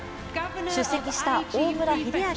出席した大村秀章